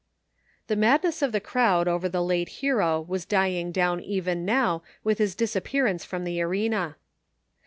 The madness of the crowd over the late hero was d3ang down even now with his disappearance from the arena.